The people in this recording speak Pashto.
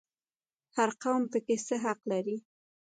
هر قوم پکې څه حق لري؟